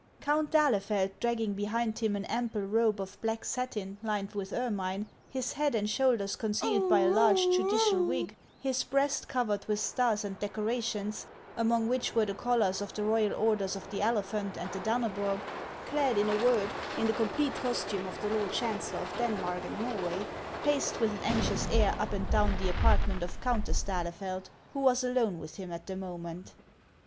D'AHLEFELD, dragging behind him an ample robe of black satin lined with ermine, his head and shoulders concealed by a large judicial wig, his breast covered with stars and decorations, among which were the collars of the Royal Orders of the Elephant and the Danne brog, clad, in a word, in the complete costume of the lord chancellor of Denmark and Norway, paced with an anxious air up and clown the apartment of Countess d'Ahlefeld, who was alone with him at the moment.